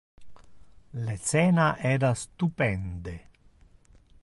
Le cena era stupende.